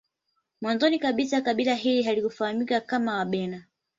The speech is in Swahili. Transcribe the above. Mwanzoni kabisa kabila hili halikufahamika kama Wabena